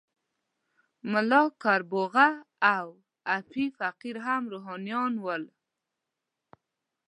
ملا کربوغه او ایپی فقیر هم روحانیون ول.